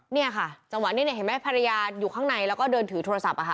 เนี่ยค่ะจังหวะนี้เนี่ยเห็นไหมภรรยาอยู่ข้างในแล้วก็เดินถือโทรศัพท์อะค่ะ